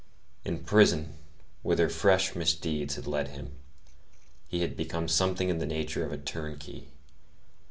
In prison, whither fresh misdeeds had led him, he had become something in the nature of a turnkey.